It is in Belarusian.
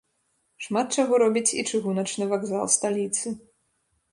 Шмат чаго робіць і чыгуначны вакзал сталіцы.